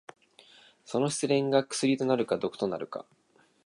その失恋が薬となるか毒となるか。